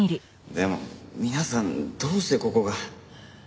でも皆さんどうしてここが。